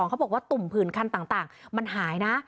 เขาบอกว่าตุ่มผื่นคันต่างมันหายนะ